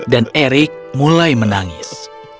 dan eric mulai menangis